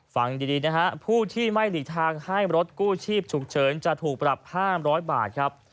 ฟังดีนะฮะผู้ที่ไม่หลีกทางให้รถกู้ชีพฉุกเฉินจะถูกปรับ๕๐๐บาทครับ